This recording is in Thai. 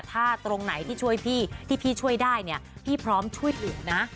ถ้าตรงไหนที่ช่วยพี่ที่พี่ช่วยได้เนี่ยพี่พร้อมช่วยเหลือนะ